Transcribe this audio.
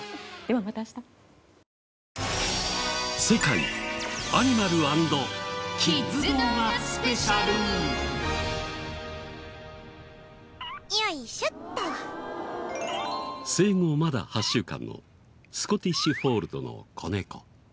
生後まだ８週間のスコティッシュフォールドの子猫。